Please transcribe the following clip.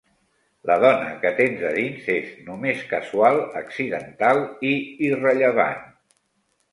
La dona que tens a dins és només casual, accidental i irrellevant.